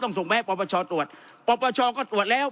ต้องส่งไปให้ปรบประชอตรวจปรบประชอก็ตรวจแล้ว